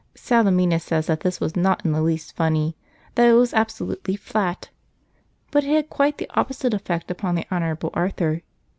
Salemina says that this was not in the least funny, that it was absolutely flat; but it had quite the opposite effect upon the Honourable Arthur.